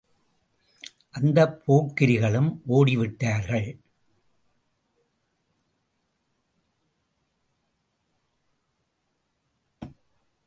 அந்தப் போக்கிரிகளும் ஓடி விட்டார்கள்.